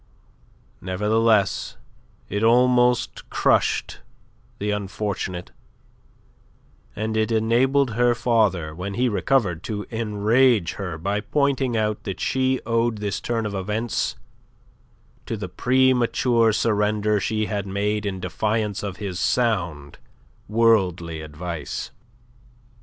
Nevertheless it almost crushed the unfortunate and it enabled her father when he recovered to enrage her by pointing out that she owed this turn of events to the premature surrender she had made in defiance of his sound worldly advice.